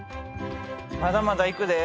まだまだ行くで。